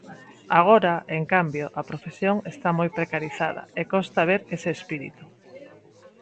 Agora, en cambio, a profesión está moi precarizada e costa ver ese espírito.